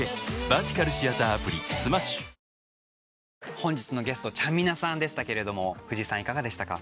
本日のゲストちゃんみなさんでしたけれども藤井さんいかがでしたか？